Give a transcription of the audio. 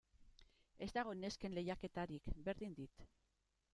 Ez dago nesken lehiaketarik, berdin dit.